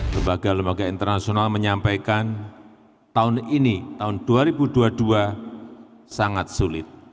lembaga lembaga internasional menyampaikan tahun ini tahun dua ribu dua puluh dua sangat sulit